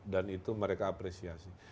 dan itu mereka apresiasi